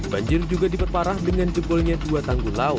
banjir juga diperparah dengan jempolnya dua tanggung laut